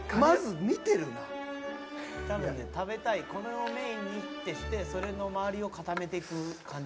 多分ね食べたいこれをメインにってしてそれの周りを固めていく感じ。